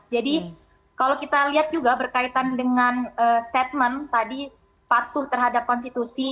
jadi kalau kita lihat juga berkaitan dengan statement tadi patuh terhadap konstitusi